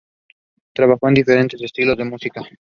Trabajó en diferentes estilos de música.